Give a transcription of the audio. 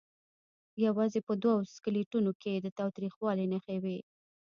یوازې په دوو سکلیټونو کې د تاوتریخوالي نښې وې.